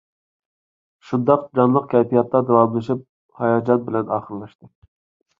شۇنداق جانلىق كەيپىياتتا داۋاملىشىپ، ھاياجان بىلەن ئاخىرلاشتى.